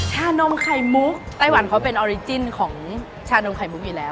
ชานมไข่มุกไต้หวันเขาเป็นออริจินของชานมไข่มุกอยู่แล้ว